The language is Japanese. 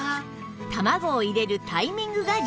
卵を入れるタイミングが重要